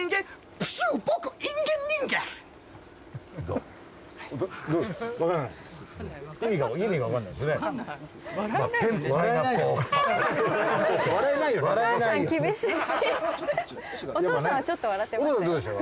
お父さんはちょっと笑ってましたよ。